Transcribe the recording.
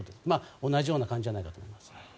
同じような感じじゃないかと思います。